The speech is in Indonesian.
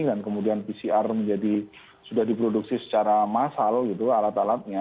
dan kemudian pcr menjadi sudah diproduksi secara massal gitu alat alatnya